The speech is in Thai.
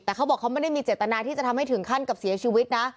แต่เขาบอกเขาไม่ได้มีเจตนาที่จะทำให้ถึงขั้นกับเสียชีวิตนะ